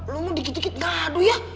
lo mau dikit dikit ngadu ya